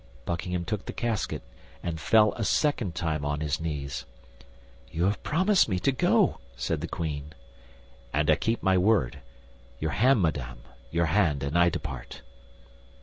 Buckingham took the casket, and fell a second time on his knees. "You have promised me to go," said the queen. "And I keep my word. Your hand, madame, your hand, and I depart!"